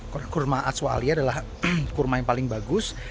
karena kurma ajwa alia adalah kurma yang paling bagus